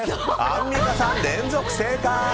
アンミカさん、連続正解！